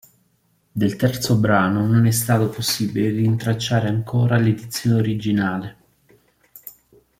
Del terzo brano non è stato possibile rintracciare ancora l'edizione originale.